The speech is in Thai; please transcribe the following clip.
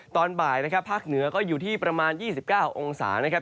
ตอนบ่ายนะครับภาคเหนือก็อยู่ที่ประมาณ๒๙องศานะครับ